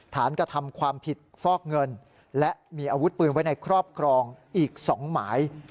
กระทำความผิดฟอกเงินและมีอาวุธปืนไว้ในครอบครองอีก๒หมาย